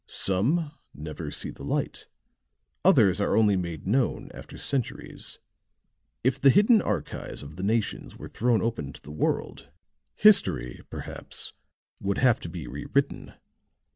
"Some never see the light others are only made known after centuries. If the hidden archives of the nations were thrown open to the world, history, perhaps, would have to be rewritten.